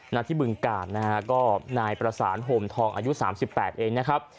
ที่บึงกาลนะฮะก็นายประสานห่มทองอายุ๓๘เองนะครับ